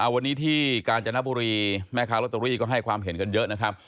วันนี้ที่กาญจนบุรีแม่ค้าลอตเตอรี่ก็ให้ความเห็นกันเยอะนะครับ